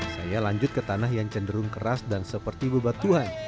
saya lanjut ke tanah yang cenderung keras dan seperti bebatuan